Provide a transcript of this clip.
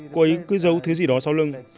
cô ấy cứ giấu thứ gì đó sau lưng